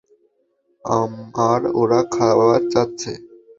আর ওরা খাবার চাচ্ছে।